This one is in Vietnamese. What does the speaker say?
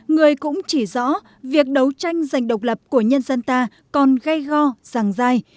người cũng chỉ rõ việc đấu tranh giành độc lập của nhân dân ta còn gây go ràng dai